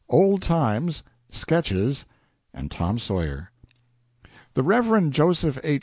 "OLD TIMES," "SKETCHES," AND "TOM SAWYER" The Rev. Joseph H.